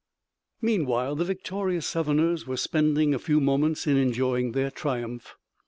Meanwhile the victorious Southerners were spending a few moments in enjoying their triumph.